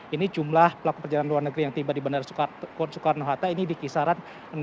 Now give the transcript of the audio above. ini jumlah pelaku perjalanan luar negeri yang tiba di bandara soekarno hatta ini di kisaran enam